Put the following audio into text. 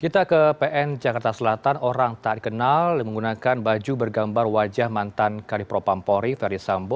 kita ke pn jakarta selatan orang tak dikenal menggunakan baju bergambar wajah mantan kari pro pampori feri sambo